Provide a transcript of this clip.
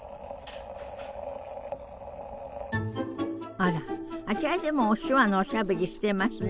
あらあちらでも手話のおしゃべりしてますね。